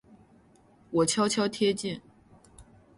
我悄悄贴近